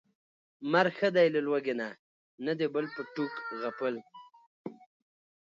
مرګ ښه دى له لوږې نه، نه د بل په ټوک غپل